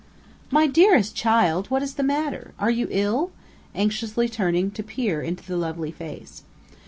"My dearest child, what is the matter? Are you ill?" anxiously turning to peer into the lovely face.